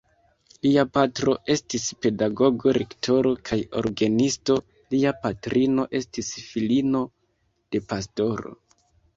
Lia patro estis pedagogo, rektoro kaj orgenisto, lia patrino estis filino de pastoro.